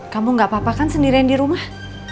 kamu gak apa apa kan sendirian di rumah